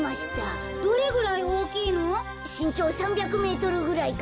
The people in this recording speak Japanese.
しんちょう３００メートルぐらいかな。